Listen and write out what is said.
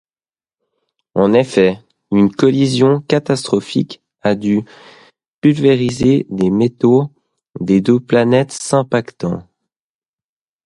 En effet, une collision catastrophique a pu pulvériser les manteaux des deux planètes s'impactant.